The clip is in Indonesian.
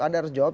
anda harus jawab